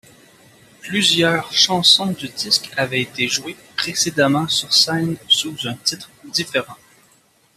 Plusieurs chansons du disque avaient été jouées précédemment sur scène sous un titre différent.